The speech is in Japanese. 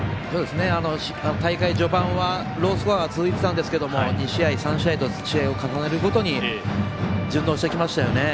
大会序盤はロースコアが続いていたんですが２試合、３試合と試合を重ねるごとに順応してきましたよね。